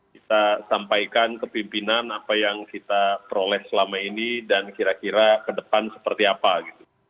kita sampaikan ke pimpinan apa yang kita peroleh selama ini dan kira kira ke depan seperti apa gitu